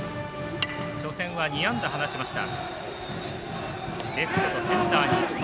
初戦は２安打放ちました。